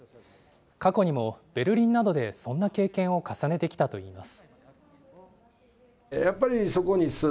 過去にもベルリンなどで、そんな経験を重ねてきたといいます。